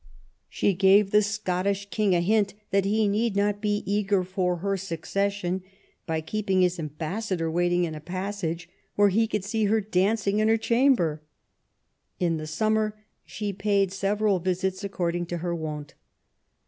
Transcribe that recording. She gave the Scottish King a hint that he need not be eager for her succession, by keeping his ambassador waiting in a passage where he could see her dancing in her chamber. In the summer she paid several visits according to her wont.